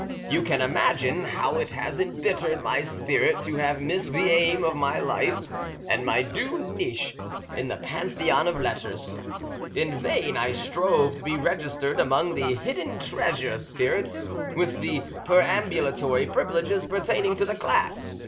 You can imagine how it has embittered my spirit to have missed the aim of my life and my due niche in the pantheon of letters. In vain I strove to be registered among the 'hidden treasure' spirits, with the perambulatory privileges pertaining to the class.